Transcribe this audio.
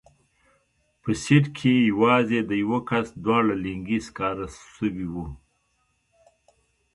په سيټ کښې يې يوازې د يوه کس دواړه لينگي سکاره سوي وو.